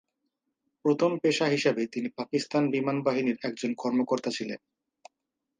প্ৰথম পেশা হিসেবে তিনি পাকিস্তান বিমান বাহিনীর একজন কর্মকর্তা ছিলেন।